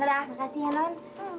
terima kasih ya non